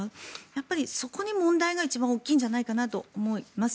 やっぱりそこに問題が一番大きいのではと思います。